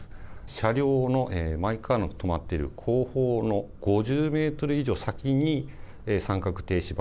車両のマイカーの止まっている後方の５０ｍ以上先に三角停止板。